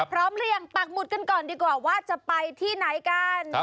หรือยังปักหมุดกันก่อนดีกว่าว่าจะไปที่ไหนกัน